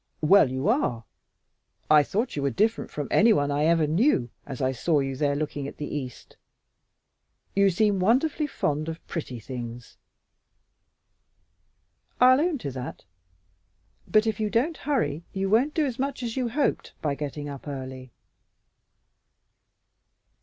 "Well, you are. I thought you were different from anyone I ever knew as I saw you there looking at the east. You seem wonderfully fond of pretty things." "I'll own to that. But if you don't hurry you won't do as much as you hoped by getting up early."